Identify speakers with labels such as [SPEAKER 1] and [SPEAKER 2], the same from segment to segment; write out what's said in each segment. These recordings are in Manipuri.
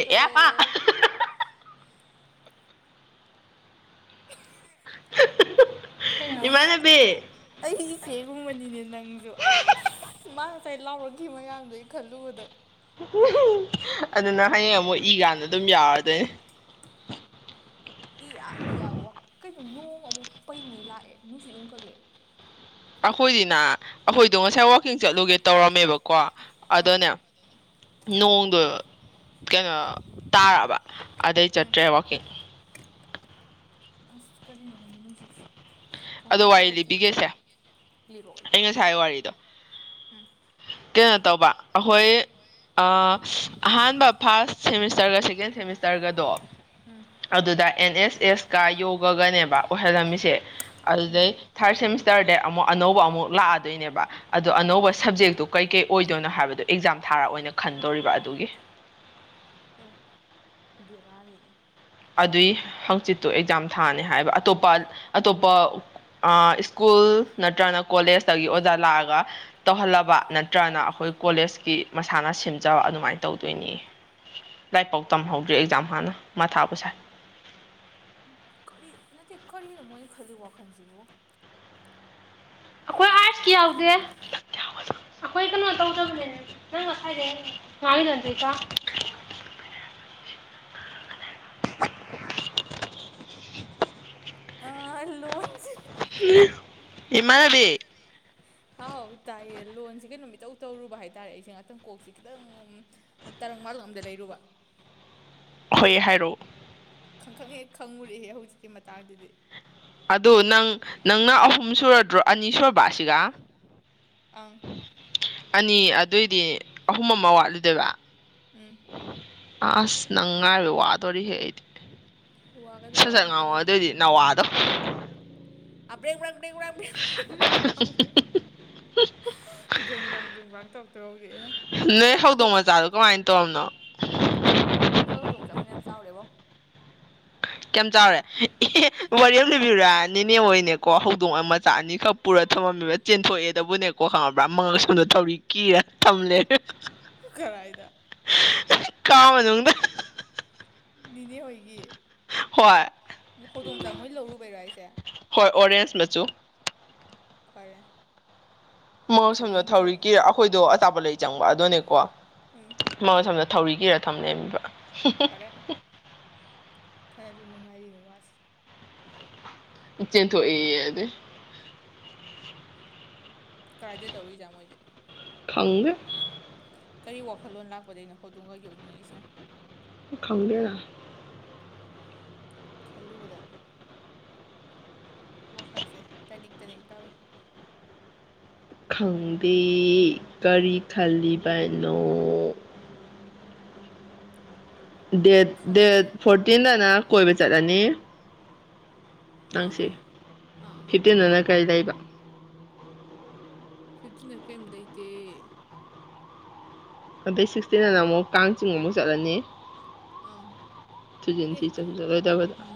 [SPEAKER 1] ꯑꯦ ꯄ ꯏꯃꯥꯟꯅꯕꯤ
[SPEAKER 2] ꯑꯩ ꯏꯆꯦꯒꯨꯝꯕꯅꯤꯅꯦ ꯅꯪꯁꯨ ꯑꯁ ꯃꯥ ꯉꯁꯥꯏ ꯂꯥꯎꯔꯛꯈꯤ ꯃꯌꯥꯝꯗꯨꯣ ꯑꯩ ꯈꯜꯂꯨꯕꯗ
[SPEAKER 1] ꯑꯗꯨꯅ ꯍꯌꯦꯡ ꯑꯃꯨꯛ ꯏꯀꯥꯟꯗ ꯑꯗꯨꯝ ꯌꯥꯎꯔꯗꯣꯏꯅꯦ
[SPEAKER 2] ꯏ ꯑꯥ ꯏ ꯑꯥ ꯋꯥ ꯀꯩꯗꯣ ꯅꯣꯡ ꯑꯃꯨꯛ ꯄꯩꯉꯩ ꯂꯥꯛꯑꯦ ꯅꯨꯡꯁꯤꯠ ꯑꯃ ꯀꯜꯂꯦ
[SPEAKER 1] ꯑꯩꯈꯣꯏꯗꯤꯅ ꯑꯩꯈꯣꯏꯗꯣ ꯉꯁꯥꯏ ꯋꯥꯛꯀꯤꯡ ꯆꯠꯂꯨꯒꯦ ꯇꯧꯔꯝꯃꯦꯕꯀꯣ ꯑꯗꯅꯦ ꯅꯣꯡꯗꯣ ꯀꯩꯅꯣ ꯇꯥꯔꯛꯑꯕ ꯑꯗꯩ
[SPEAKER 2] ꯎꯝ
[SPEAKER 1] ꯆꯠꯇ꯭ꯔꯦ ꯋꯥꯛꯀꯤꯡ
[SPEAKER 2] ꯑꯁ ꯀꯔꯤꯅꯣ ꯍꯥꯏꯣꯏꯗꯤ ꯅꯨꯡꯁꯤꯠꯁꯦ ꯊꯣꯡꯅꯥꯎ
[SPEAKER 1] ꯑꯗꯣ
[SPEAKER 2] ꯑꯝꯇ
[SPEAKER 1] ꯋꯥꯔꯤ
[SPEAKER 2] ꯐꯠ ꯊꯤꯡꯖꯤꯟꯒꯦ
[SPEAKER 1] ꯂꯤꯕꯤꯒꯦꯁꯦ
[SPEAKER 2] ꯂꯤꯔꯣ
[SPEAKER 1] ꯑꯩ
[SPEAKER 2] ꯇꯥꯒꯦ
[SPEAKER 1] ꯉꯁꯥꯏ ꯋꯥꯔꯤꯗꯣ
[SPEAKER 2] ꯎꯝ
[SPEAKER 1] ꯀꯩꯅꯣ ꯇꯧꯕ ꯑꯩꯈꯣꯏ ꯑ ꯑꯍꯥꯟꯕ ꯐꯥꯔꯁ ꯁꯦꯃꯤꯁꯇꯔꯒ ꯁꯦꯀꯦꯟ ꯁꯦꯃꯤꯁꯇꯔꯒꯗꯣ
[SPEAKER 2] ꯑꯝ
[SPEAKER 1] ꯑꯗꯨꯗ ꯑꯦꯟ ꯑꯦꯁ ꯑꯦꯁꯀ ꯌꯣꯒꯒꯅꯦꯕ ꯑꯣꯏꯍꯜꯂꯝꯃꯤꯁꯦ
[SPEAKER 2] ꯎꯝ ꯎꯝ
[SPEAKER 1] ꯑꯗꯨꯗꯩ
[SPEAKER 2] ꯑꯦ
[SPEAKER 1] ꯊꯥꯔꯠ ꯁꯦꯃꯤꯁꯇꯔꯗ ꯑꯃꯨꯛ ꯑꯅꯧꯕ ꯑꯃꯨꯛ ꯂꯥꯛꯑꯗꯣꯏꯅꯦꯕ ꯑꯗꯣ ꯑꯅꯧꯕ ꯁꯕꯖꯦꯛꯇꯣ ꯀꯩ ꯀꯩ ꯑꯣꯏꯗꯣꯏꯅꯣ ꯍꯥꯏꯕꯗꯣ ꯑꯦꯛꯖꯥꯝ ꯊꯥꯔꯑꯣ ꯑꯣꯏꯅ ꯈꯟꯗꯣꯏ ꯗꯧꯔꯤꯕ ꯑꯗꯨꯒꯤ
[SPEAKER 2] ꯥꯎꯝ ꯕꯦꯔꯥꯅꯤꯅꯦ
[SPEAKER 1] ꯑꯗꯨꯏ ꯍꯪꯆꯤꯠꯇꯨ ꯑꯦꯛꯖꯥꯝ ꯊꯥꯅꯤ ꯍꯥꯏꯕ ꯑꯇꯣꯞꯄ ꯑꯇꯣꯞꯄ ꯏꯁ꯭ꯀꯨꯜ ꯅꯠꯇ꯭ꯔꯅ ꯀꯣꯂꯦꯖꯇꯒꯤ ꯑꯣꯖꯥ ꯂꯥꯛꯑꯒ ꯇꯧꯍꯜꯂꯕ ꯅꯠꯇ꯭ꯔꯅ ꯑꯩꯈꯣꯏ ꯀꯣꯂꯦꯖ ꯒꯤ ꯃꯁꯥꯟꯅ ꯁꯦꯝꯖꯕ ꯑꯗꯨꯃꯥꯏꯅ ꯇꯧꯗꯣꯏꯅꯤ ꯂꯥꯏꯔꯤꯛ ꯄꯥꯎ ꯇꯝꯍꯧꯗ꯭ꯔꯦ ꯑꯦꯛꯖꯥꯝ ꯍꯥꯟꯅ ꯃꯥꯊꯥꯕꯨ
[SPEAKER 2] [inaudible] ꯀꯔꯤ ꯅꯠꯇꯦ ꯀꯔꯤꯅꯣ ꯃꯣꯏꯅ ꯈꯜꯂꯤ ꯋꯥꯈꯜꯁꯤꯕꯨ
[SPEAKER 1] ꯑꯩꯈꯣꯏ ꯑꯥꯔꯠꯁꯀꯤ ꯌꯥꯎꯗꯦ ꯑꯩꯈꯣꯏ ꯀꯩꯅꯣ ꯇꯧꯗꯕꯅꯦꯅꯦ ꯅꯪ [unintelligible] [inaudible]
[SPEAKER 2] ꯑ ꯂꯣꯟꯁꯤ
[SPEAKER 1] ꯏꯃꯥꯅꯕꯤ
[SPEAKER 2] ꯍꯥꯎ ꯇꯥꯏꯌꯦ ꯂꯣꯟꯁꯤ ꯀꯩꯅꯣꯝ ꯏꯇꯧ ꯇꯧꯔꯨꯕ ꯍꯥꯏꯇꯥꯔꯦ ꯑꯩꯁꯦ ꯉꯥꯛꯇꯪ ꯀꯣꯛꯁꯦ ꯈꯤꯇꯪ ꯇꯔꯡ ꯃꯥꯂꯪ ꯑꯝꯗ ꯂꯩꯔꯨꯕ
[SPEAKER 1] ꯍꯣꯏ ꯍꯥꯏꯔꯣꯛ
[SPEAKER 2] ꯈꯪ ꯈꯪꯍꯦꯛ ꯈꯪꯉꯨꯔꯍꯦ ꯍꯧꯖꯤꯛꯀꯤ ꯃꯇꯥꯡꯗꯨꯗꯤ
[SPEAKER 1] ꯑꯗꯨ ꯅꯪ ꯅꯪꯅ ꯑꯍꯨꯝ ꯁꯨꯔꯗ꯭ꯔꯣ ꯑꯅꯤ ꯁꯨꯔꯕ ꯁꯤꯒ
[SPEAKER 2] ꯑꯪ
[SPEAKER 1] ꯑꯅꯤ ꯑꯗꯨꯏꯗꯤ ꯑꯍꯨꯝ ꯑꯃ ꯋꯥꯠꯂꯤꯗꯣꯏꯕ
[SPEAKER 2] ꯎꯨꯝ
[SPEAKER 1] ꯑꯁ ꯅꯪ ꯉꯥꯏꯕ ꯋꯥꯗꯣꯔꯤꯍꯦ ꯑꯩꯗꯤ
[SPEAKER 2] ꯋꯥꯒꯅꯨ
[SPEAKER 1] ꯁꯠ ꯁꯠ
[SPEAKER 2] ꯋꯥꯒꯅꯨ
[SPEAKER 1] ꯉꯥꯡꯉꯣ ꯑꯗꯨꯑꯣꯏꯗꯤ ꯅꯋꯥꯗꯣ
[SPEAKER 2] [unintelligible] ꯕ꯭꯭ꯔꯦꯡ ꯕ꯭ꯔꯥꯡ ꯕ꯭ꯦꯡ ꯕ꯭ꯔꯥꯡ ꯇꯧꯔꯛꯇꯒ ꯍꯧꯖꯤꯛ ꯑꯩꯅꯥ
[SPEAKER 1] ꯅꯣꯏ ꯍꯧꯗꯣꯡ ꯃꯆꯥꯗꯣ ꯀꯃꯥꯏꯅ ꯇꯧꯔꯝꯅꯣ
[SPEAKER 2] ꯑꯩꯈꯣꯏ ꯍꯧꯗꯣꯡꯁꯦ ꯐꯅ ꯌꯥꯝ ꯆꯥꯎꯔꯦꯕꯣ
[SPEAKER 1] ꯀꯌꯥꯝ ꯆꯥꯎꯔꯦ ꯋꯥꯔꯤ ꯑꯃ ꯂꯤꯕꯤꯔꯥ ꯅꯦꯅꯦ ꯍꯣꯏꯅꯦ ꯀꯣ ꯍꯧꯗꯣꯡ ꯑꯃ ꯃꯆꯥ ꯑꯅꯤꯈꯛ ꯄꯨꯔ ꯊꯝꯃꯝꯃꯤꯕ ꯆꯦꯟꯊꯣꯛꯑꯦꯗꯕꯨꯅꯦꯀꯣ ꯈꯪꯉ ꯄ‌ꯔꯥ ꯃꯪꯒꯛꯁꯝꯗ ꯊꯧꯔꯤ ꯀꯤꯔ ꯊꯝꯂꯩ
[SPEAKER 2] ꯀꯔꯥꯏꯗ
[SPEAKER 1] ꯀꯥ ꯃꯅꯨꯡꯗ
[SPEAKER 2] ꯅꯤꯅꯦ ꯍꯣꯏꯒꯤ
[SPEAKER 1] ꯍꯣꯏ
[SPEAKER 2] ꯍꯣꯏ ꯍꯧꯗꯣꯝꯆꯥ ꯃꯣꯏ ꯂꯧꯔꯨꯕꯩꯔꯣ ꯍꯥꯏꯁꯦ
[SPEAKER 1] ꯍꯣꯏ ꯑꯣꯔꯦꯟꯖ ꯃꯆꯨ
[SPEAKER 2] ꯐꯔꯦ
[SPEAKER 1] ꯃꯉꯛꯁꯝꯗꯣ
[SPEAKER 2] ꯊꯧꯔꯤꯡ
[SPEAKER 1] ꯊꯧꯔꯤ
[SPEAKER 2] ꯀꯤꯠ
[SPEAKER 1] ꯀꯤꯔꯥ ꯑꯩꯈꯣꯏꯗꯣ ꯑꯆꯥꯇꯥꯄ ꯂꯩ ꯆꯪꯕ ꯑꯗꯨꯗꯅꯦꯀꯣ
[SPEAKER 2] ꯎꯝ
[SPEAKER 1] ꯃꯉꯛꯁꯝꯗ ꯊꯧꯔꯤ ꯀꯤꯔ ꯊꯝ ꯂꯩꯔꯝꯃꯤꯕ
[SPEAKER 2] ꯐꯔꯗꯨꯝ ꯅꯨꯡꯉꯥꯏꯔꯤꯅꯦ ꯋꯥꯁꯦ
[SPEAKER 1] ꯆꯦꯟꯊꯣꯛꯏ ꯑꯗꯨꯏ
[SPEAKER 2] ꯀꯥꯗꯥꯏꯗꯩ ꯂꯧꯔꯤꯖꯥ ꯃꯣꯏꯗꯤ
[SPEAKER 1] ꯈꯪꯗꯦ
[SPEAKER 2] ꯀꯔꯤ ꯋꯥꯈꯜꯂꯣꯟ ꯂꯥꯛꯄꯗꯣ ꯍꯧꯗꯣꯡꯒ ꯌꯣꯛꯅꯤꯡꯉꯛꯏꯁꯤꯅ
[SPEAKER 1] ꯈꯪꯗꯦꯅ
[SPEAKER 2] ꯈꯜꯂꯨꯕꯗ ꯋꯥꯈꯜꯁꯦ ꯇꯅꯤꯛ ꯇꯅꯤꯛ ꯇꯧꯏ
[SPEAKER 1] ꯈꯪꯗꯦ ꯀꯔꯤ ꯈꯜꯂꯤꯕꯅꯣ ꯗꯦꯠ
[SPEAKER 2] ꯈꯪꯗ꯭ꯔꯦ
[SPEAKER 1] ꯗꯦꯠ ꯐꯣꯔꯇꯤꯟꯗꯅ ꯀꯣꯏꯕ ꯆꯠꯂꯅꯤ
[SPEAKER 2] ꯑꯥ
[SPEAKER 1] ꯅꯪꯁꯤ
[SPEAKER 2] ꯑꯥ
[SPEAKER 1] ꯐꯤꯞꯇꯤꯟꯗꯨꯅ ꯀꯔꯤ ꯂꯩꯕ
[SPEAKER 2] ꯐꯤꯞꯇꯤꯟꯗ ꯀꯔꯤꯝ ꯂꯩꯇꯦ
[SPEAKER 1] ꯑꯇꯩ ꯁꯤꯛꯁꯇꯤꯟꯅ ꯑꯃꯨꯛ ꯀꯥꯡꯆꯤꯡꯕ ꯑꯃꯨꯛ ꯆꯠꯂꯅꯤ
[SPEAKER 2] ꯑꯪ
[SPEAKER 1] ꯊ
[SPEAKER 2] ꯑꯦ
[SPEAKER 1] ꯆ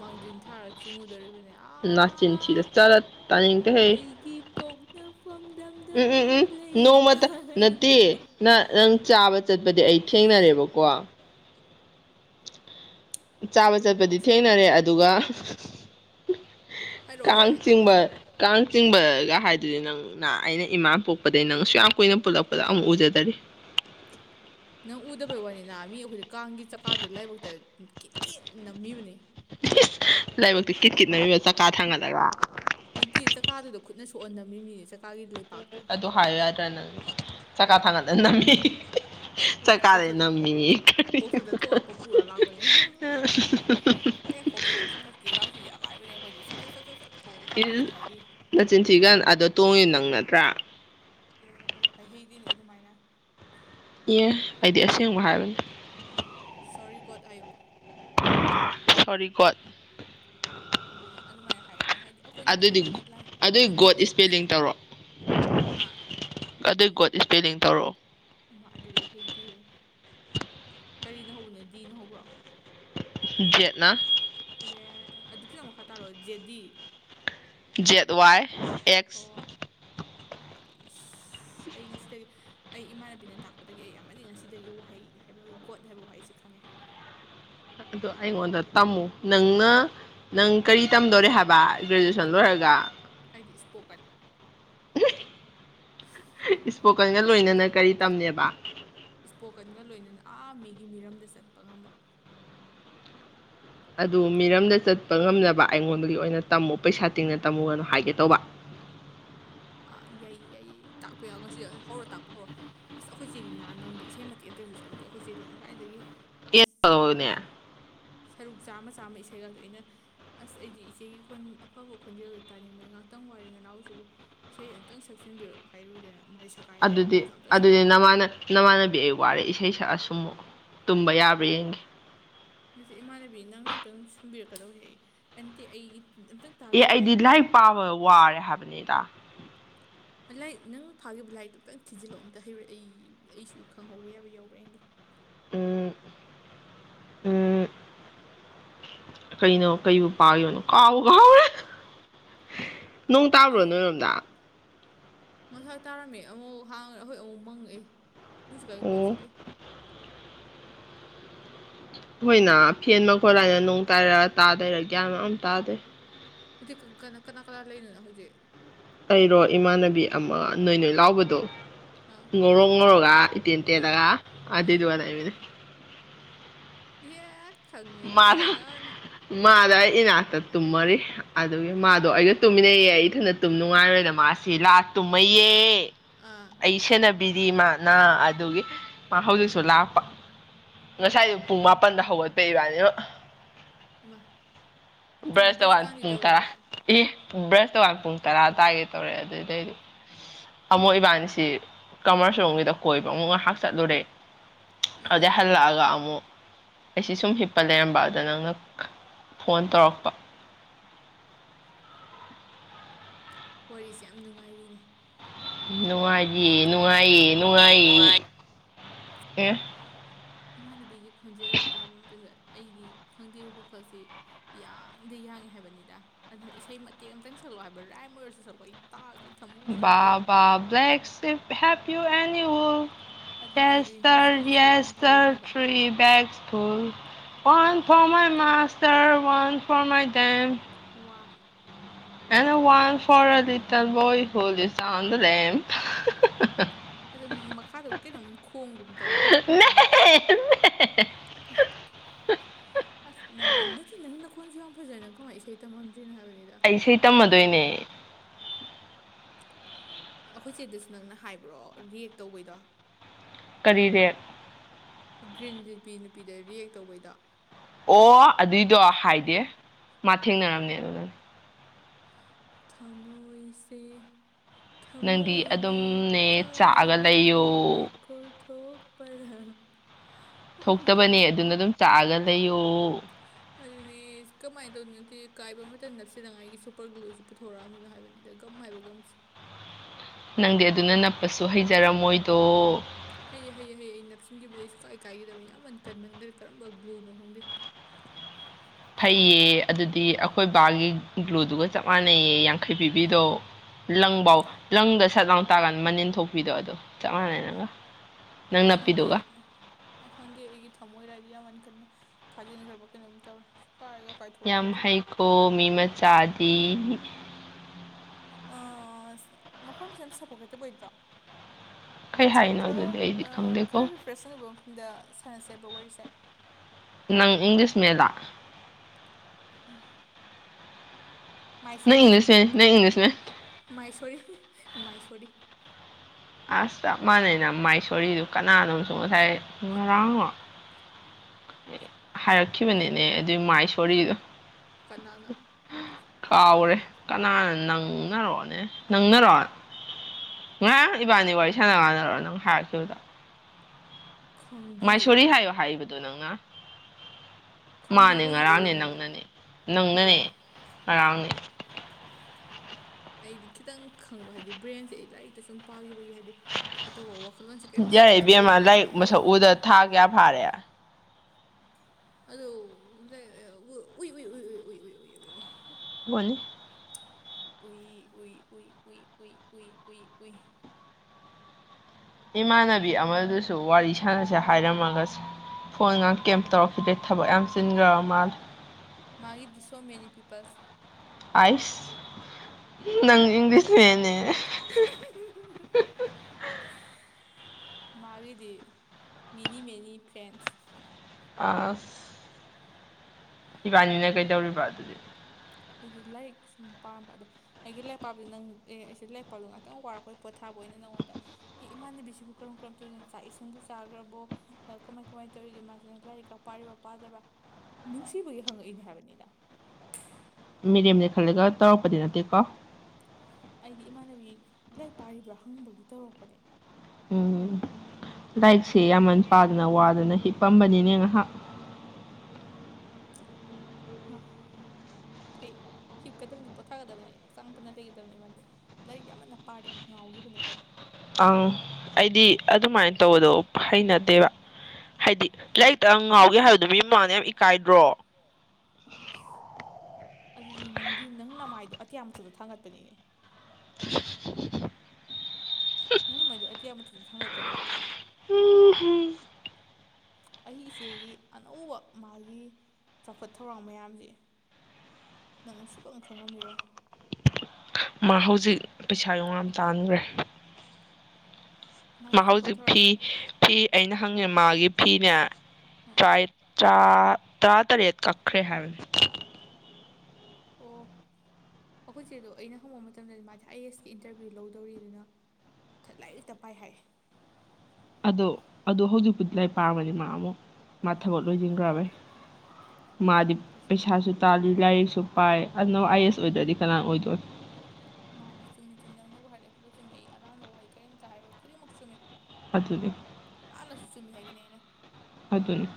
[SPEAKER 2] ꯃꯥꯡꯖꯤꯟ ꯊꯥꯔ ꯆꯤꯡꯉꯨꯗꯣꯔꯤꯕꯅꯦ
[SPEAKER 1] ꯆꯤꯟꯁꯤ
[SPEAKER 2] ꯑꯥ
[SPEAKER 1] ꯆ [unintelligible] ꯇꯥꯅꯤꯇꯦꯍꯦ
[SPEAKER 2] ꯑꯩꯒꯤ ꯄꯣꯛꯅꯐꯝ ꯂꯝ
[SPEAKER 1] ꯎꯝ ꯎꯝ ꯎꯝ ꯅꯣꯡꯃꯇ ꯅꯠꯇꯦ
[SPEAKER 2] ꯅꯪ
[SPEAKER 1] ꯅꯪ ꯆꯥꯕ ꯆꯠꯄꯗꯤ ꯑꯩ
[SPEAKER 2] ꯆꯠꯄꯁꯦ
[SPEAKER 1] ꯊꯦꯡꯅꯔꯦꯕꯀꯣ
[SPEAKER 2] ꯑꯩ ꯊꯦꯡꯅꯔꯦꯕꯀꯣ
[SPEAKER 1] ꯆꯥꯕ
[SPEAKER 2] ꯀꯔꯤ ꯋꯥ
[SPEAKER 1] ꯆꯠꯄꯗꯤ
[SPEAKER 2] ꯉꯥꯡ
[SPEAKER 1] ꯊꯦꯡꯅꯔꯦ
[SPEAKER 2] ꯁꯉꯥꯡꯅꯣ
[SPEAKER 1] ꯑꯗꯨꯒ
[SPEAKER 2] ꯍꯥꯏꯔꯛꯑꯣ
[SPEAKER 1] ꯀꯥꯡ
[SPEAKER 2] ꯍꯥꯏꯔꯛꯑꯣ ꯑꯩ ꯇꯥꯒꯦ
[SPEAKER 1] ꯆꯤꯡꯕ ꯀꯥꯡ ꯆꯤꯡꯕꯒ ꯍꯥꯏꯗꯨꯗꯤ ꯅꯪ ꯑꯩꯅ ꯏꯃꯥ ꯄꯣꯛꯄꯗꯒꯤꯩ ꯅꯪ ꯁꯛ ꯌꯥꯝ ꯀꯨꯏꯅ ꯄꯨꯜꯂꯛꯄꯗ ꯑꯃꯨ ꯎꯖꯗꯔꯤ
[SPEAKER 2] ꯅꯪ ꯎꯗꯕꯩ ꯋꯥꯅꯤꯅ ꯃꯤ ꯑꯩꯈꯣꯏꯗ ꯀꯥꯡꯒꯤ ꯆꯀꯥꯗꯨ ꯂꯥꯏꯕꯛꯇ ꯀꯤꯠ ꯀꯤꯠ ꯅꯝꯃꯤꯕꯅꯤ
[SPEAKER 1] ꯂꯥꯏꯕꯛꯇꯤ ꯀꯤꯠ ꯀꯤꯠꯅꯃꯤꯕ ꯆꯀꯥ ꯊꯥꯡꯒꯠꯂꯒ
[SPEAKER 2] ꯅꯠꯇꯦ ꯆꯀꯥꯗꯨꯗ ꯈꯨꯠꯅ ꯁꯣꯛꯍꯟꯗꯕꯃꯤ ꯃꯤꯅꯦ ꯆꯀꯥꯒꯤꯗꯤ
[SPEAKER 1] ꯑꯗꯨ ꯍꯥꯏꯌꯨ ꯌꯥꯗ꯭ꯔꯥ ꯅꯪ ꯆꯀꯥ ꯊꯥꯡꯒꯠꯗ ꯅꯝꯃꯤ ꯆꯀꯥ ꯅꯃꯤ
[SPEAKER 2] ꯀꯣꯛꯁꯁ ꯊꯣꯛ ꯍꯥꯞꯄ ꯄꯨꯔ ꯂꯥꯛꯄꯅꯦ ꯑꯩ ꯀꯣꯛꯊꯛꯇ ꯊꯥꯡꯒꯠꯀꯦꯒꯁꯤꯗꯤ ꯑꯂꯥꯏꯕꯅꯦ ꯑꯩꯈꯣꯏꯗꯤ ꯆꯠꯊꯠ ꯆꯠꯇꯠ ꯆꯠ
[SPEAKER 1] ꯅꯆꯤꯟꯊꯤꯒꯥꯟ ꯑꯗꯣ ꯇꯣꯡꯉꯤ ꯅꯪ ꯅꯠꯇ꯭ꯔꯥ
[SPEAKER 2] ꯑꯦ ꯑꯗꯨꯗꯣ ꯍꯥꯏꯍꯩꯗꯤꯅꯦ ꯑꯗꯨꯃꯥꯏꯅ
[SPEAKER 1] ꯑꯦ ꯑꯩꯗꯤ ꯑꯁꯦꯡꯕ ꯍꯥꯏꯕꯅꯤ
[SPEAKER 2] ꯁꯣꯔꯤ ꯒꯣꯠ ꯍꯥꯏꯌꯨ
[SPEAKER 1] ꯁꯣꯔꯤ ꯒꯣꯠ
[SPEAKER 2] ꯑꯗꯨꯅꯦ ꯑꯗꯨꯃꯥꯏꯅ ꯍꯥꯏꯒ ꯑꯗꯨꯣꯏꯅꯤ ꯍꯥꯏꯗꯤ ꯑꯩꯈꯣꯏꯅ
[SPEAKER 1] ꯑꯗꯨꯏꯗꯤ
[SPEAKER 2] ꯀꯔꯤꯒꯨꯝꯕ ꯂ
[SPEAKER 1] ꯑꯗꯨꯏ ꯒꯣꯠ
[SPEAKER 2] ꯃꯣꯏꯗꯤ
[SPEAKER 1] ꯏꯁꯄꯦꯂꯤꯡ ꯇꯧꯔꯣ
[SPEAKER 2] ꯍꯥ
[SPEAKER 1] ꯑꯗꯨꯏ ꯒꯣꯠ ꯏꯁꯄꯦꯂꯤꯡ ꯇꯧꯔꯛꯑꯣ
[SPEAKER 2] ꯏꯃ ꯑꯗꯨꯗꯤ ꯍꯩꯇꯦꯍꯦ ꯀꯔꯤꯅ ꯍꯧꯕꯅꯣ ꯗꯤꯅ ꯍꯧꯕ꯭ꯔꯣ
[SPEAKER 1] ꯌꯦꯠꯅꯥ
[SPEAKER 2] ꯏꯍꯦ ꯑꯗꯨ ꯈꯤꯇꯪ ꯃꯈꯥ ꯇꯥꯔꯛꯑꯣ ꯖꯦꯗꯤ
[SPEAKER 1] ꯖꯦꯠ ꯋꯥꯏ ꯑꯦꯛꯁ
[SPEAKER 2] ꯑꯩꯁ ꯑꯩ ꯉꯁꯤꯗꯒꯤ ꯑꯩ ꯏꯃꯥꯟꯅꯕꯤꯅ ꯇꯥꯛꯄꯗꯒꯤ ꯑꯩ ꯑꯃꯗꯤ ꯉꯁꯤꯗꯒꯤ ꯋꯥꯍꯩ ꯍꯥꯏꯕ ꯒꯣꯠ ꯍꯥꯏꯕ ꯋꯥꯍꯩꯁꯦ ꯈꯪꯉꯦ
[SPEAKER 1] ꯑꯗꯣ ꯑꯩꯉꯣꯟꯗ ꯇꯝꯃꯨ ꯅꯪꯅ ꯅꯪ ꯀꯔꯤ ꯇꯝꯗꯧꯔꯤꯦ ꯍꯥꯏꯕ ꯒ꯭ꯔꯦꯖꯨꯑꯦꯁꯟ ꯂꯣꯏꯔꯒ
[SPEAKER 2] ꯑꯩꯗꯤ ꯏꯁ꯭ꯄꯣꯀꯟ
[SPEAKER 1] ꯏꯁꯄꯣꯀꯟꯒ ꯂꯣꯏꯅꯅ ꯀꯔꯤ ꯇꯝꯅꯦꯕ
[SPEAKER 2] ꯏꯁꯄꯣꯀꯟꯒ ꯂꯣꯏꯅꯅ ꯑꯥ ꯃꯤꯒꯤ ꯃꯤꯔꯝꯗ ꯆꯠꯄ ꯉꯝꯕ
[SPEAKER 1] ꯑꯗꯨ ꯃꯤꯔꯝꯗ ꯆꯠꯄ ꯉꯝꯅꯕ ꯑꯩꯉꯣꯟꯒꯤ ꯑꯣꯏꯅ ꯇꯝꯃꯨ ꯄꯩꯁꯥ ꯇꯤꯡꯅ ꯇꯝꯃꯨꯒꯅ ꯍꯥꯏꯒꯦ ꯇꯧꯕ
[SPEAKER 2] ꯌꯥꯏ ꯌꯥꯏ ꯇꯥꯛꯄ ꯌꯥꯎ ꯉꯁꯤꯗ ꯍꯧꯔꯣ ꯇꯥꯛꯄ ꯍꯧꯔꯣ ꯑꯁ ꯑꯩꯈꯣꯏ ꯆꯦꯗꯤ ꯅꯍꯥꯟ ꯅꯪꯗꯤ ꯏꯁꯩ ꯃꯇꯦꯛ ꯑꯃꯝꯇꯁꯨ ꯁꯛꯂꯛꯇꯦ ꯑꯩꯈꯣꯏ ꯆꯦꯗꯤ ꯉꯁꯥꯏꯗꯒꯤ
[SPEAKER 1] ꯑꯦ ꯇꯧꯔꯣꯅꯦ
[SPEAKER 2] ꯁꯔꯨꯛ ꯆꯥꯝꯃ ꯆꯥꯝꯃ ꯏꯁꯩꯒꯛꯇ ꯑꯩꯅ ꯑꯁ ꯑꯩꯗꯤ ꯏꯆꯦꯒꯤꯣꯟ ꯑꯐꯕ ꯈꯣꯟꯖꯦꯜꯗ ꯇꯥꯅꯤꯡꯕꯅꯤ ꯉꯍꯥꯛꯇꯪ ꯋꯥꯔꯤ ꯅꯅꯥꯎꯁꯤꯕꯨ ꯏꯁꯩ ꯑꯃꯝꯇꯪ ꯁꯛꯆꯤꯟꯕꯤꯔꯛ ꯍꯥꯏꯔꯨꯗꯅ ꯃꯥꯗꯤꯛ
[SPEAKER 1] ꯑꯗꯨꯗꯤ ꯑꯗꯨꯗꯤ ꯅꯪ ꯃꯥꯅ ꯅꯃꯥꯟꯅꯕꯤ ꯑꯩ ꯋꯥꯔꯦ ꯏꯁꯩ ꯁꯛꯑꯁꯨꯝꯛ ꯇꯨꯝꯕ ꯌꯥꯕ꯭ꯔꯥ ꯌꯦꯡꯒꯦ
[SPEAKER 2] ꯅꯠꯇꯦ ꯏꯃꯥꯟꯅꯕꯤ ꯅꯪꯅ ꯑꯝꯛꯇꯪ ꯁꯨꯝꯕꯤꯔꯛꯀꯗꯧꯁꯦ ꯑꯩ ꯑꯠꯇꯦ ꯑꯩ ꯑꯝꯇꯪ
[SPEAKER 1] ꯑꯦ
[SPEAKER 2] ꯇꯥꯖꯒꯦ
[SPEAKER 1] ꯑꯩꯗꯤ ꯂꯥꯏꯔꯤꯛ ꯄꯥꯕ ꯋꯥꯔꯦ ꯍꯥꯏꯕꯅꯤꯗ
[SPEAKER 2] ꯂꯥꯏꯔꯤꯛ ꯅꯪ ꯐꯥꯈꯤꯕ ꯂꯥꯏꯔꯤꯛꯇꯣ ꯑꯝꯛꯇꯪ ꯊꯤꯖꯤꯜꯂꯛꯑꯣ ꯑꯝꯇ ꯍꯩꯔꯨꯔꯦ ꯑꯩꯁꯨ ꯈꯪꯍꯧꯕ ꯌꯥꯕ ꯌꯧꯔꯛꯡꯒꯦ
[SPEAKER 1] ꯎꯝ ꯎꯝ ꯀꯩꯅꯣ ꯀꯩꯕꯨ ꯄꯥꯏꯣꯅꯣ ꯀꯥꯎꯕ ꯀꯥꯎꯔꯦ ꯅꯣꯡ ꯇꯥꯕ꯭ꯔꯣ
[SPEAKER 2] ꯑꯍꯦ
[SPEAKER 1] ꯅꯣꯏꯔꯣꯝꯗ
[SPEAKER 2] ꯉꯁꯥꯏ ꯇꯥꯔꯝꯃꯦ ꯑꯃꯨꯛ ꯍꯥꯡꯉ ꯑꯩꯈꯣꯏ ꯑꯃꯨꯛ ꯃꯪꯉꯛꯑꯦ ꯅꯨꯡꯁꯨ ꯀꯥꯏꯌꯨꯛ ꯀꯥꯏ
[SPEAKER 1] ꯑꯣ
[SPEAKER 2] ꯁꯤꯠꯂꯤ
[SPEAKER 1] ꯑꯩꯈꯣꯏꯅ ꯐꯦꯟ ꯃꯈꯣꯠꯂꯅ ꯅꯅꯨꯡ ꯇꯥꯔꯒ ꯇꯥꯗꯣꯏꯔꯒꯌꯥ ꯃ ꯇꯥꯗꯩ
[SPEAKER 2] ꯍꯥꯏꯗꯤ ꯀꯅꯥ ꯀꯅꯥ ꯀꯅꯥ ꯂꯩꯅꯣꯅꯣ ꯍꯧꯖꯤꯛ
[SPEAKER 1] ꯑꯩꯔꯣ ꯏꯃꯥꯟꯅꯕꯤ ꯑꯃ ꯅꯣꯏ ꯅꯣꯏ ꯂꯥꯎꯕꯗꯣ
[SPEAKER 2] ꯑꯥ
[SPEAKER 1] ꯉꯧꯔꯣꯡ ꯉꯧꯔꯒ ꯏꯇꯦꯟ
[SPEAKER 2] ꯑꯥ
[SPEAKER 1] ꯇꯦꯜꯂꯒ
[SPEAKER 2] ꯑꯥ
[SPEAKER 1] ꯑꯗꯨꯏꯗꯨ ꯂꯩꯃꯤꯅꯦ
[SPEAKER 2] ꯌꯦꯠ
[SPEAKER 1] ꯃꯥꯗ ꯃꯥꯗ ꯑꯩ ꯏꯅꯥꯛꯇ ꯇꯨꯝꯃꯔꯤ ꯑꯗꯨꯒꯤ ꯃꯥꯗꯣ ꯑꯩꯒ ꯇꯨꯝꯃꯤꯟꯅꯩꯌꯦ ꯑꯩ ꯏ ꯊꯅ ꯇꯨꯝ ꯅꯨꯡꯉꯥꯏꯔꯣꯏꯗꯅ ꯃꯥꯁꯤ ꯂꯥ ꯇꯨꯝꯃꯩꯌꯦ
[SPEAKER 2] ꯑꯥ
[SPEAKER 1] ꯑꯩ ꯁꯦꯟꯅꯕꯤ ꯕꯤꯗꯤ ꯃꯥꯅ ꯑꯗꯨꯒꯤ ꯃꯥ ꯍꯧꯖꯤꯛꯁꯨ ꯂꯥꯛꯄ ꯉꯁꯥꯏꯗꯨ ꯄꯨꯡ ꯃꯥꯄꯟꯗ ꯍꯧꯒꯠꯄ ꯏꯕꯥꯅꯤꯅꯣ
[SPEAKER 2] ꯏꯃ
[SPEAKER 1] ꯕ ꯇ ꯋꯥ ꯅꯨ ꯇꯔ ꯑꯦ ꯕ꯭ꯔꯁ ꯇꯣꯉꯥꯟ ꯄꯨꯡ ꯇꯔꯥ ꯇꯥꯒꯦ ꯇꯧꯔꯛꯑꯦ ꯑꯗꯨꯏꯗꯩꯗꯤ ꯑꯃꯨꯛ ꯏꯕꯥꯅꯤꯁꯤ ꯀꯃꯔꯁꯂꯣꯝꯒꯤꯗ ꯀꯣꯏꯕ ꯑꯃꯨꯛ ꯉꯥꯏꯍꯥꯛ ꯆꯠꯂꯨꯔꯦ
[SPEAKER 2] ꯏꯍꯦ
[SPEAKER 1] ꯑꯗꯨꯗꯩ ꯍꯜꯂꯛꯑꯒ ꯑꯃꯨꯛ ꯑꯩꯁꯤ ꯁꯨꯝ ꯍꯤꯞꯄ ꯂꯩꯔꯝꯕ ꯑꯗꯨꯗ ꯅꯪꯅ ꯐꯣꯟ ꯇꯧꯔꯛꯄ
[SPEAKER 2] ꯋꯥꯔꯤꯁꯦ ꯌꯥꯝ ꯅꯨꯡꯉꯥꯏꯔꯤꯅꯦ
[SPEAKER 1] ꯅꯨꯡꯉꯥꯏꯔꯤꯌꯦ ꯅꯨꯡꯉꯥꯏꯌꯦ ꯅꯨꯡꯉꯥꯏꯌꯦ ꯑꯦ
[SPEAKER 2] ꯏꯃꯥꯟꯅꯕꯤꯒꯤ ꯈꯣꯟꯖꯦꯜꯁꯤ ꯇꯥꯕ ꯃꯇꯝꯗ ꯑꯩꯗꯤ ꯈꯪꯗꯦ ꯋꯥꯈꯜꯁꯤ ꯌꯥꯡꯗꯤꯦ ꯌꯥꯡꯉꯦ ꯍꯥꯏꯕꯅꯤꯗ ꯑꯗꯨꯅ ꯏꯁꯩ ꯃꯇꯦꯛ ꯑꯃꯇꯪ ꯁꯛꯂꯛꯑꯣ ꯍꯥꯏꯕ ꯔꯥꯏꯝ ꯑꯣꯏꯔꯁꯨ ꯁꯛꯂꯛꯑꯣ ꯑꯩ ꯇꯥꯒꯦ ꯊꯃꯣꯏꯁꯤꯅ ꯄꯦꯟꯅ
[SPEAKER 1] ꯕꯥꯕꯥ ꯕ꯭ꯂ ꯁꯤ ꯍꯦꯄꯤ ꯌꯌꯨ ꯑꯦꯅꯤꯋꯜ
[SPEAKER 2] ꯑꯗꯨꯅ ꯑꯩꯉꯣꯟꯗꯗꯤ ꯅꯥꯎꯁꯨꯝ ꯏꯁꯩꯒꯨꯝ
[SPEAKER 1] ꯇꯁꯔꯔꯔꯤꯁ
[SPEAKER 2] ꯇꯧꯔꯦ ꯍꯥꯏꯕ
[SPEAKER 1] ꯐꯜ ꯋꯥꯟ
[SPEAKER 2] ꯋꯥ
[SPEAKER 1] for my master one for my dame
[SPEAKER 2] ꯋꯥ
[SPEAKER 1] ꯑꯦꯅ ꯋꯥꯟ ꯐꯣꯔ ꯂꯤꯇꯜ ꯣꯣꯌ ꯍꯜ ꯆꯗ꯭ꯔꯦ
[SPEAKER 2] ꯑꯗꯨ ꯃꯈꯥꯗ ꯀꯩꯅꯣꯝ ꯈꯣꯡꯒꯨꯝ ꯇꯧꯗꯥꯏꯅꯦ ꯍꯥꯃꯦꯡꯂ
[SPEAKER 1] ꯍ
[SPEAKER 2] ꯑꯁ ꯅꯍ ꯅꯠꯇꯦ ꯅꯪ ꯅꯈꯣꯟꯁꯨ ꯌꯥꯝ ꯐꯖꯔꯦ ꯅꯪ ꯀꯃꯥꯏꯅ ꯏꯁꯩ ꯇꯝꯃꯝꯗ꯭ꯔꯤꯅꯣꯕꯅꯤꯗ
[SPEAKER 1] ꯑꯩ ꯏꯁꯩ ꯇꯝꯃꯗꯣꯏꯅꯦ
[SPEAKER 2] ꯑꯩꯈꯣꯏꯆꯦꯗꯁꯨ ꯅꯪꯅ ꯍꯥꯏꯕ꯭ꯔꯣ ꯔꯤꯌꯦꯛ ꯇꯧꯕꯩꯗꯣ
[SPEAKER 1] ꯀꯔꯤ ꯔꯦꯞ ꯑꯣ ꯑꯗꯨꯏꯗꯣ
[SPEAKER 2] ꯒ꯭ꯔꯤꯟ ꯂꯤꯄꯤ ꯅꯨꯄꯤꯗ ꯔꯤꯌꯦꯛ ꯇꯧꯕꯩꯗꯣ
[SPEAKER 1] ꯑꯣ ꯑꯗꯨꯏꯗꯣ ꯍꯥꯏꯗꯦ ꯃꯥ ꯊꯦꯡꯅꯔꯝꯅꯦ ꯑꯗꯨꯅꯅꯦ
[SPEAKER 2] ꯊꯃꯣꯏꯁꯦ ꯊꯃꯣꯏꯅ ꯀꯥꯏꯕꯕꯨꯃꯛ
[SPEAKER 1] ꯆꯥꯛꯑꯒ
[SPEAKER 2] ꯊꯣꯛꯊꯣꯛ ꯄꯔ
[SPEAKER 1] ꯊꯣꯛꯇꯕꯅꯦ ꯑꯗꯨꯅ ꯑꯗꯨꯝ ꯆꯥꯛꯑꯒ ꯂꯩꯌꯣ
[SPEAKER 2] ꯑꯗꯨꯅꯦ ꯀꯃꯥꯏꯅ ꯇꯧꯗꯅꯠꯇꯦ ꯀꯥꯏꯕ ꯃꯇꯝ ꯅꯞꯁꯤꯅꯉꯥꯏꯒꯤ ꯁꯨꯄꯔ ꯒ꯭ꯂꯂꯨꯁꯤ ꯄꯨꯊꯣꯛ ꯊꯣꯔꯛꯑꯃꯤꯅꯣ ꯍꯥꯏꯕꯅꯤꯗ ꯒꯝ ꯍꯥꯏꯕ ꯒꯝꯁꯦ
[SPEAKER 1] ꯅꯪꯗꯤ ꯑꯗꯨꯅ ꯅꯞꯄꯁꯨ ꯍꯩꯖꯔꯝꯃꯣꯏꯗꯣ
[SPEAKER 2] ꯍꯌꯦ ꯍꯌꯦ ꯍꯌꯦ ꯑꯩ ꯅꯞꯁꯤꯟꯈꯤꯕꯗꯒꯤ ꯑꯩ ꯁꯨꯀꯥꯏ ꯀꯥꯏꯒꯗꯕ ꯌꯥꯝꯃꯟ ꯀꯟꯃꯟꯈ꯭ꯔꯔꯤ ꯀꯔꯝꯕ ꯕ꯭ꯂꯨꯅꯣ ꯈꯪꯗꯦ
[SPEAKER 1] ꯐꯩꯌꯦ ꯑꯗꯨꯗꯤ ꯑꯩꯈꯣꯏ ꯕꯥꯒꯤ ꯒ꯭ꯂꯨꯗꯨꯒ ꯆꯞ ꯃꯥꯟꯅꯩꯌꯦ ꯌꯥꯡꯈꯩ ꯄꯤꯕꯤꯗꯣ ꯂꯪꯐꯧ ꯂꯪꯗ ꯁꯠ ꯂꯥꯎ ꯇꯥꯀꯥꯟꯗ ꯃꯅꯤꯟ ꯊꯣꯛꯄꯤꯗꯣ ꯑꯗꯨꯗ ꯆꯞ ꯃꯥꯟꯅꯩ ꯅꯪꯒ ꯅꯪ
[SPEAKER 2] ꯈꯪꯗꯦ
[SPEAKER 1] ꯅꯞꯄꯤꯗꯨꯒ
[SPEAKER 2] ꯈꯪꯗꯦ ꯑꯩꯒꯤ ꯊꯝꯃꯣꯏꯔ ꯍꯥꯏꯗꯤ ꯌꯥꯝꯃꯟ ꯀꯟꯅ ꯐꯥꯖꯤꯟꯈ꯭ꯔꯕ ꯀꯩꯅꯣꯝ ꯇꯧꯔꯦ ꯁ ꯄꯥꯏꯔꯒ
[SPEAKER 1] ꯌꯥꯝ ꯍꯩꯀꯣ ꯃꯤ ꯃꯆꯥꯗꯤ
[SPEAKER 2] ꯃꯐꯝꯁꯦ ꯌꯥꯝ ꯁꯄꯣꯔꯀꯦꯇꯤꯞ ꯑꯣꯏꯗ꯭ꯔꯣ
[SPEAKER 1] ꯀꯩ ꯍꯥꯏꯅꯣ
[SPEAKER 2] ꯈꯔ
[SPEAKER 1] ꯑꯗꯨꯗꯤ ꯑꯩꯗꯤ
[SPEAKER 2] ꯈꯔ
[SPEAKER 1] ꯈꯪꯗꯦꯀꯣ
[SPEAKER 2] ꯔꯤꯐ꯭ꯔꯦꯁꯤꯡ ꯑꯣꯏꯕ ꯃꯐꯝꯗ ꯁꯥꯟꯅꯁꯦꯕ꯭ꯔꯣ ꯋꯥꯔꯤꯁꯦ
[SPEAKER 1] ꯅꯪ ꯏꯪꯂꯤꯁ ꯃꯦꯂ ꯅꯪ
[SPEAKER 2] ꯃꯥꯏꯁꯔꯤ
[SPEAKER 1] ꯏꯪꯂꯤꯁ ꯃꯦꯟ ꯅꯪ ꯏꯪꯂꯤꯁ ꯃꯦꯟ
[SPEAKER 2] ꯃꯥꯏꯁꯔꯤ ꯃꯥꯏꯁꯣꯔꯤ
[SPEAKER 1] ꯑꯁ ꯆꯞ ꯃꯥꯟꯅꯩꯅ ꯃꯥꯏꯁꯣꯔꯤꯗꯨ ꯀꯅꯥꯅꯣꯝꯁꯨ ꯉꯁꯥꯏ ꯉꯔꯥꯡꯅꯣ ꯍꯥꯏꯔꯛꯈꯤꯕꯅꯤꯅꯦ ꯑꯗꯨꯒꯤ ꯃꯥꯏ ꯁꯣꯔꯤꯗꯣ
[SPEAKER 2] ꯀꯅꯥꯅ
[SPEAKER 1] ꯀꯥꯎꯔꯦ ꯀꯅꯥꯅ ꯅꯪꯅꯔꯣꯑꯣꯅꯦ ꯅꯪꯅꯔꯛꯣ ꯉꯥꯏꯍꯥꯛ ꯏꯕꯥꯅꯤ ꯋꯥꯔꯤ ꯁꯥꯟꯅ ꯉꯥꯟꯅꯔꯣ ꯅꯪ ꯍꯥꯏꯔꯈꯤꯕꯗꯣ
[SPEAKER 2] ꯈꯪꯗꯦ
[SPEAKER 1] ꯃꯥꯏꯁꯣꯔꯤ ꯍꯥꯏꯌꯣ ꯍꯥꯏꯕꯗꯣ ꯅꯪꯅ
[SPEAKER 2] ꯈꯪꯗꯦ
[SPEAKER 1] ꯃꯥꯅꯦ
[SPEAKER 2] ꯍꯧꯖꯤꯛ
[SPEAKER 1] ꯉꯔꯥꯡꯅꯦ
[SPEAKER 2] ꯑꯣꯏꯔꯝꯅꯤꯗ
[SPEAKER 1] ꯅꯪꯅꯅꯦ
[SPEAKER 2] ꯑꯣ
[SPEAKER 1] ꯅꯪꯅꯅꯦ ꯉꯔꯥꯡꯅꯦ
[SPEAKER 2] ꯐꯔꯦ ꯑꯩꯗꯤ ꯈꯤꯇꯪ ꯈꯪꯕ ꯍꯥꯏꯗꯤ ꯕ꯭ꯔꯦꯟꯁꯦ ꯑꯩ ꯂꯥꯏꯔꯤꯛꯇ ꯁꯨꯝ ꯄꯥꯈꯤꯕꯒꯤ ꯍꯥꯏꯗꯤ ꯑꯇꯣꯞ ꯋꯥꯈꯜꯂꯣꯟꯁꯦ ꯀꯔꯤꯝ ꯆꯪꯒꯟꯗꯦꯕ ꯑꯩꯉꯣꯟꯗ
[SPEAKER 1] ꯊꯥꯒ ꯐꯥꯔꯌꯥ
[SPEAKER 2] ꯑꯗꯣꯁꯥꯏ ꯎꯏ ꯎꯏ ꯎꯏ ꯎꯏ ꯎꯏ ꯎꯏ ꯎꯏ ꯎꯏ ꯎꯏ
[SPEAKER 1] ꯍꯅꯤ
[SPEAKER 2] ꯑꯣꯏ ꯑꯣꯏ ꯑꯣꯏ ꯑꯣꯏꯏ ꯑꯣꯏꯏ ꯑꯣꯏꯏ ꯑꯣꯏꯏ ꯑꯣꯏꯏ
[SPEAKER 1] ꯏꯃꯥꯟꯅꯕꯤ ꯑꯃꯗꯨꯁꯨ ꯋꯥꯔꯤ ꯁꯥꯟꯅꯁꯦ ꯍꯥꯏꯔꯝꯃꯒ ꯐꯣꯟ ꯉ ꯀꯦꯝꯞ ꯇꯧꯔꯛꯈꯤꯗꯩ ꯊꯕꯛ ꯌꯥꯝ ꯆꯤꯟꯈ꯭ꯔꯕ ꯃꯥꯜꯂꯦ
[SPEAKER 2] ꯃꯥꯒꯤ ꯗꯤ ꯁꯣ ꯃꯦꯅꯤ ꯄꯤꯄꯜꯁ
[SPEAKER 1] ꯑꯁ ꯅꯪ ꯏꯪꯂꯤꯁꯅꯦ
[SPEAKER 2] [unintelligible] ꯃꯥꯒꯤꯗꯤ ꯃꯦꯅꯤ ꯃꯦꯅꯤ ꯐ꯭ꯔꯦꯟꯁ
[SPEAKER 1] ꯑꯥꯐ ꯏꯕꯥꯅꯤꯅ ꯀꯩꯗꯧꯔꯤꯕ ꯑꯗꯨꯗꯤ
[SPEAKER 2] ꯑꯩꯗꯤ ꯂꯥꯏꯔꯤꯛ ꯁꯨꯝ ꯄꯥꯝꯕ ꯑꯗꯣ ꯑꯩꯒꯤ ꯂ ꯄꯥꯛꯗꯨ ꯅꯪ ꯑꯦ ꯑꯩꯁꯨ ꯂꯛ ꯄꯗꯨꯣ ꯉꯥꯛꯇꯪ ꯋꯥꯔꯛꯄꯣꯏ ꯄꯣꯠꯊꯥꯕ ꯑꯣꯏꯅ ꯅꯪꯉꯣꯟꯗ ꯑꯦ ꯏꯃꯥꯟꯅꯕꯤꯁꯤꯕꯨ ꯀꯔꯝ ꯀꯔꯝ ꯇꯧꯔꯤꯗꯅ ꯆꯥꯛ ꯏꯁꯤꯡꯕꯨ ꯆꯥꯈ꯭ꯔꯕꯣ ꯀꯃꯥꯏ ꯀꯃꯥꯏ ꯇꯧꯔꯤꯒꯦ ꯃꯥꯁꯤꯅ ꯂꯥꯏꯔꯤꯛ ꯀꯥ ꯄꯥꯏꯔꯤꯕ ꯄꯥꯗꯕ꯭ꯔꯥ ꯅꯨꯡꯁꯤꯕꯒꯤ ꯍꯪꯉꯛꯏꯅꯦ ꯍꯥꯏꯕꯅꯤꯗ
[SPEAKER 1] ꯃꯦꯗꯤꯌꯅꯦ ꯈꯜꯂꯒ ꯇꯧꯔꯛꯄꯗꯤ ꯅꯠꯇꯦꯀꯣ
[SPEAKER 2] ꯑꯩꯗꯤ ꯏꯃꯥꯟꯅꯕꯤ ꯂꯥꯏꯔꯤꯛ ꯄꯥꯔꯤꯕ꯭ꯔꯥ ꯍꯪꯕꯒꯤ ꯇꯧꯔꯛꯄꯅꯦ
[SPEAKER 1] ꯎꯝ ꯂꯥꯏꯔꯤꯛꯁꯦ ꯌꯥꯝꯃꯟ ꯄꯥꯗꯅ ꯋꯥꯗꯅ ꯍꯤꯄꯝꯕꯅꯤꯅꯦ ꯉꯥꯏꯍꯥꯛ
[SPEAKER 2] ꯐꯩ ꯍꯤꯞꯀꯗꯕꯅꯤ ꯄꯣꯊꯥꯒꯗꯕꯅꯤ ꯍꯛꯆꯥꯡ ꯐꯅ ꯂꯩꯒꯗꯕꯅꯤ ꯏꯃꯅ ꯂꯥꯏꯔꯤꯛ ꯌꯥꯝꯟꯅ ꯄꯥꯔꯤ ꯉꯥꯎꯈꯤꯕꯅꯤꯀꯣ
[SPEAKER 1] ꯑꯪ ꯑꯩꯗꯤ ꯑꯗꯨꯃꯥꯏꯅ ꯇꯧꯕꯗꯣ ꯍꯩꯅꯗꯦꯕ ꯍꯥꯏꯗꯤ ꯂꯥꯏꯔꯤꯛꯛꯇ ꯉꯥꯎꯒꯦ ꯍꯥꯏꯕꯗꯨꯣ ꯃꯤ ꯃꯃꯥꯅ ꯌꯥꯝ ꯏꯀꯥꯏꯗ꯭ꯔꯣ
[SPEAKER 2] ꯑꯁ ꯑꯗꯨꯗꯤ ꯅꯪꯒꯤ ꯅꯪ ꯅꯃꯥꯏꯗꯣ ꯑꯇꯤꯌꯥ ꯃꯊꯛꯇ ꯊꯥꯡꯒꯠꯄꯅꯤꯅꯦ
[SPEAKER 1] [unintelligible]
[SPEAKER 2] ꯅꯨꯝ ꯀꯨꯝꯩꯗꯣ ꯑꯇꯤꯌꯥ ꯑꯃꯊꯛꯇꯗ ꯊꯥꯡꯒꯠꯄꯅꯦ ꯑꯗꯨꯗꯤ
[SPEAKER 1] ꯎ ꯎꯝ
[SPEAKER 2] ꯑꯩ ꯏꯆꯦꯒꯤ ꯑꯅꯧꯕ ꯃꯥꯒꯤ ꯆꯥꯎꯈꯠ ꯊꯧꯔꯥꯡ ꯃꯌꯥꯝꯁꯦ ꯅꯪ ꯁꯨꯛꯀꯪ ꯈꯪꯉꯝꯃꯤꯔꯣꯏ
[SPEAKER 1] ꯃꯥ ꯍꯧꯖꯤꯛ ꯄꯩꯁꯥ ꯌꯉꯥ ꯇꯥꯟꯈ꯭ꯔꯦ
[SPEAKER 2] ꯃꯥꯒꯤ
[SPEAKER 1] ꯃꯥ
[SPEAKER 2] ꯆꯥꯎꯈꯠ
[SPEAKER 1] ꯍꯧꯖꯤꯛ
[SPEAKER 2] ꯊꯧꯔꯥꯡ
[SPEAKER 1] ꯐꯤ ꯐꯤ ꯑꯩꯅ ꯍꯪꯉꯦ ꯃꯥꯒꯤ ꯐꯤꯅꯦ
[SPEAKER 2] ꯎꯝ
[SPEAKER 1] ꯇ꯭ꯔꯥꯏ ꯇꯥ ꯇ꯭ꯔꯥ ꯇꯔꯠ ꯀꯈꯔꯦ ꯍꯥꯏꯕ
[SPEAKER 2] ꯑꯣ ꯑꯩꯈꯣꯏꯁꯦꯗꯣ ꯑꯩꯅ ꯍꯪꯉ ꯃꯇꯝꯗꯗꯤ ꯃꯥꯗꯤ ꯑꯥꯏ ꯑꯦ ꯑꯦꯁꯀꯤ ꯏꯟꯇꯔꯚꯤꯌꯨ ꯂꯧꯗꯧꯔꯤ ꯑꯗꯨꯅ ꯂꯥꯏꯔꯤꯛꯇ ꯄꯥꯏ ꯍꯥꯏ
[SPEAKER 1] ꯑꯗꯣ ꯑꯗꯨꯣ ꯍꯧꯖꯤꯛꯄꯨꯗꯤ ꯂ ꯄꯥꯔꯝꯝꯕꯅꯤ ꯃꯥ ꯑꯃꯨꯛ ꯃꯥ ꯊꯕꯛ ꯂꯣꯏꯁꯤꯟꯈ꯭ꯔꯕꯩ ꯃꯥꯗꯤ
[SPEAKER 2] ꯑꯣꯀꯦ
[SPEAKER 1] ꯄꯩꯁꯥꯁꯨ ꯇꯥꯜꯂꯤ ꯂꯥꯏꯔꯤꯛꯁꯨ ꯄꯥꯏ ꯑꯅꯕꯨ ꯑꯥꯏ ꯑꯦꯁ ꯑꯣꯏꯗ꯭ꯔꯗꯤ ꯀꯅꯥꯅ ꯑꯣꯏꯗꯣꯏ
[SPEAKER 2] ꯃꯥꯅꯦ ꯆꯨꯝꯃꯤ ꯆꯨꯝꯃꯤ ꯅꯪꯅꯕꯨ ꯍꯥꯏꯔꯛꯦ ꯄꯨꯂꯞ ꯆꯨꯝꯃꯤ ꯑꯩ ꯑꯔꯥꯟꯕ ꯋꯥꯍꯩ ꯀꯔꯤꯝꯇ ꯍꯥꯏꯔꯣꯏ ꯈꯨꯗꯤꯡꯃꯛ ꯆꯨꯝꯃꯤ
[SPEAKER 1] ꯑꯗꯨꯅꯤ
[SPEAKER 2] ꯂꯥꯜꯂꯁꯨ ꯆꯨꯝꯃꯤ ꯍꯥꯏꯒꯅꯤ ꯑꯩꯅ
[SPEAKER 1] ꯑꯗꯨꯅꯤ